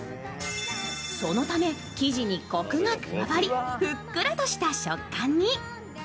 そのため、生地にコクが加わりふっくらとした食感に。